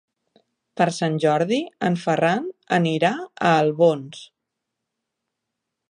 Per Sant Jordi en Ferran anirà a Albons.